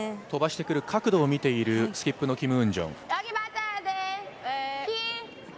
飛ばしてくる角度を見ているスキップのキム・ウンジョン。